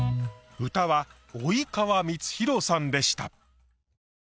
うたは及川光博さんでした。